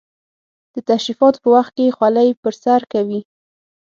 د تشریفاتو په وخت کې خولۍ پر سر کوي.